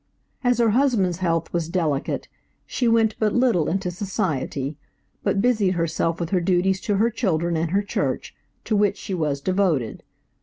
As her husband's health was delicate, she went but little into society, but busied herself with her duties to her children and her church, to which she was devoted.